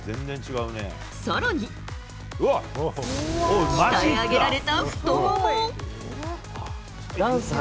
更に、鍛え上げられた太もも。